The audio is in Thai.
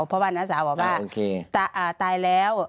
เพราะว่าน้าสาวบอกว่าตายแล้ว